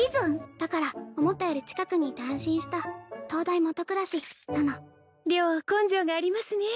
だから思ったより近くにいて安心した灯台もと暗しなの良は根性がありますね